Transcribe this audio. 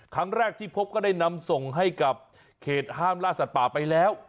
ครั้งแรกที่พบก็ได้นำส่งให้กับเขตห้ามล่าสัตว์ป่าไปแล้ว